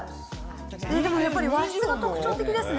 でもやっぱり和室が特徴的ですね。